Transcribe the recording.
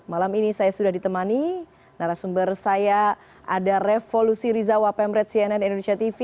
malam ini saya sudah ditemani narasumber saya ada revolusi rizawa pemret cnn indonesia tv